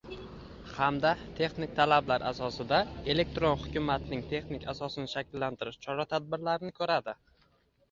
hamda texnik talablar asosida elektron hukumatning texnik asosini shakllantirish chora-tadbirlarini ko‘radi;